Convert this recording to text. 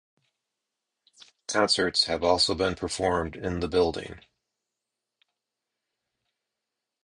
Concerts have also been performed in the building.